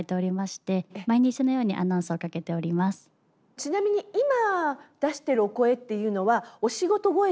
ちなみに今出してるお声っていうのはお仕事声ですか？